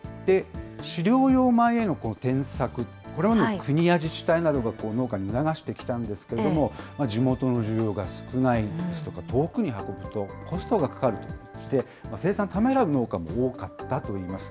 飼料用米への転作、これまでも国や自治体などが農家に促してきたんですけれども、地元の需要が少ないですとか、遠くに運ぶとコストがかかると、そして生産をためらう農家も多かったといいます。